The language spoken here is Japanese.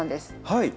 はい！